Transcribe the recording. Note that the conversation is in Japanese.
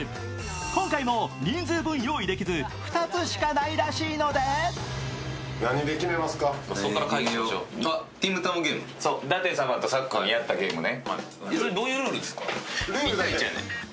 今回も人数分用意できず２つしかないらしいので舘様とさっくんがやったゲームね。